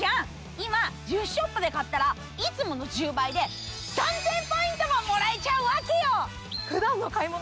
今１０ショップで買ったらいつもの１０倍で３，０００ポイントももらえちゃうわけよ！